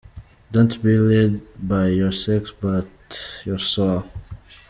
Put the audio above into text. Don’t be lead by your sex but your soul.